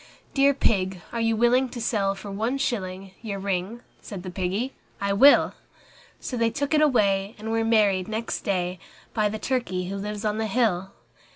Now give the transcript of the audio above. III "Dear Pig, are you willing to sell for one shilling Your ring?" Said the Piggy, "I will." So they took it away, and were married next day By the turkey who lives on the hill.